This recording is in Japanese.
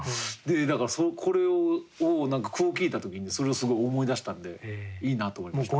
だからこれを句を聞いた時にそれをすごい思い出したんでいいなと思いました。